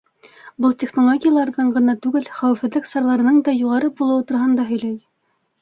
Был технологияларҙың ғына түгел, хәүефһеҙлек сараларының да юғары булыуы тураһында һөйләй.